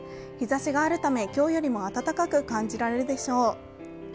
日ざしがあるため今日よりも暖かく感じられるでしょう。